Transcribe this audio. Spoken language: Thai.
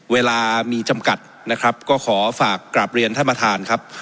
เวลามีจำกัดนะครับก็ขอฝากกลับเรียนท่านประธานครับ